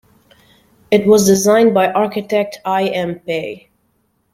It was designed by architect I. M. Pei.